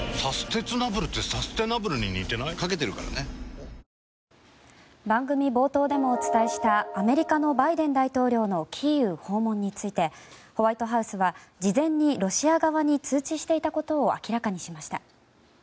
本麒麟番組冒頭でもお伝えしたアメリカのバイデン大統領のキーウ訪問についてホワイトハウスは事前にロシア側に通知していたことを明らかにしました。